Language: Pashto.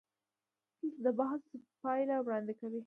دلته د بحث پایله وړاندې کوو.